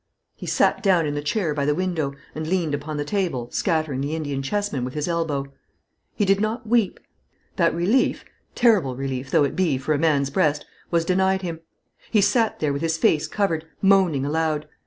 He sat down in the chair by the window, and leaned upon the table, scattering the Indian chessmen with his elbow. He did not weep. That relief terrible relief though it be for a man's breast was denied him. He sat there with his face covered, moaning aloud.